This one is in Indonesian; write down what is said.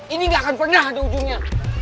ini gak akan pernah ada ujungnya